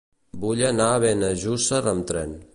Vull anar a Benejússer amb tren.